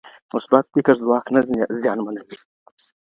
مثبت فکر ځواک نه زیانمنوي.